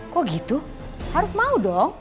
kok gitu harus mau dong